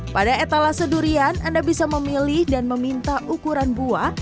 pada etalase durian anda bisa memilih dan meminta ukuran buah